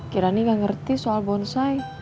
kirani gak ngerti soal bonsai